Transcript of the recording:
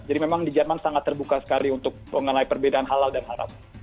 jadi memang di jerman sangat terbuka sekali untuk mengenai perbedaan halal dan haram